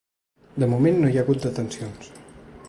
De moment, no hi ha hagut detencions.